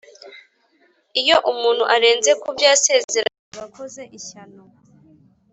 iyo umuntu arenze kubyo yasezeranye aba akoze ishyano,